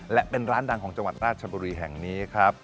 และเป็นร้านดังของจังหวัดราชบุรีแห่งนี้ครับ